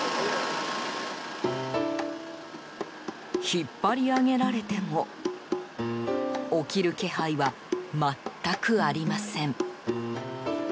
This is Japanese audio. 引っ張り上げられても起きる気配は、全くありません。